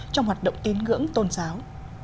trong hoạt động tín ngưỡng tôn giáo